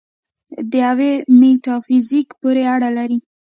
دعوې میتافیزیک پورې اړه لري.